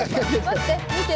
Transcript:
待って。